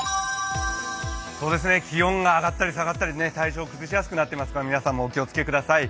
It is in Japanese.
気温が上がったり下がったり体調を崩しやすくなっていますから皆さんもお気をつけください。